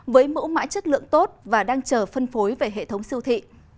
với mẫu mã chất lượng tốt và đang chờ phân phối về hệ thống siêu thị